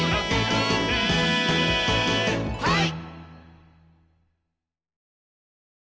はい！